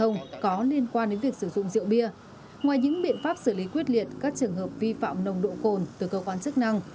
ngoài những biện pháp xử lý quyết liệt các trường hợp vi phạm nồng độ cồn từ cơ quan chức năng